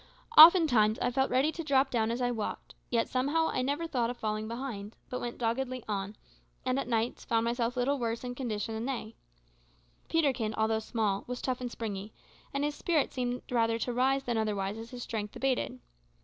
Oftentimes I felt ready to drop down as I walked, yet somehow I never thought of falling behind, but went doggedly on, and at nights found myself little worse in condition than they. Peterkin, although small, was tough and springy, and his spirits seemed rather to rise than otherwise as his strength abated.